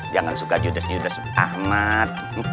jangan suka judes judes ahmad